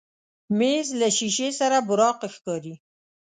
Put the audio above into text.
مېز له شیشې سره براق ښکاري.